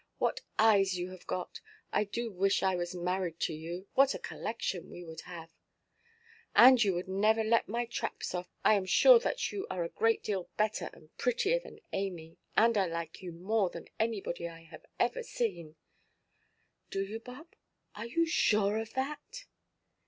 What eyes you have got! I do wish I was married to you. What a collection we would have! And you would never let my traps off. I am sure that you are a great deal better and prettier than Amy. And I like you more than anybody I have ever seen." "Do you, Bob? Are you sure of that?"